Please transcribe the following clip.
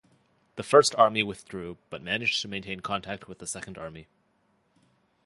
The First Army withdrew but managed to maintain contact with the Second Army.